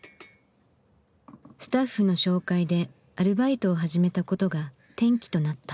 スタッフの紹介でアルバイトを始めたことが転機となった。